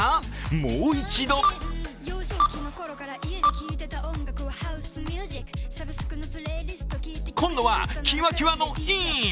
もう一度今度はキワキワのイン！